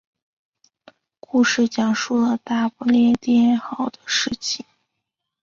故事讲述了大不列颠号的事情。